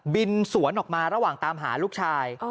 บินสวนออกมาระหว่างตามหาลูกชาย